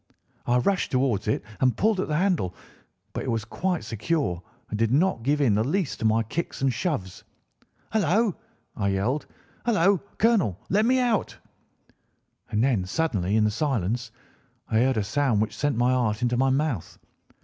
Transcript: I rushed towards it and pulled at the handle, but it was quite secure, and did not give in the least to my kicks and shoves. 'Hullo!' I yelled. 'Hullo! Colonel! Let me out!' "And then suddenly in the silence I heard a sound which sent my heart into my mouth.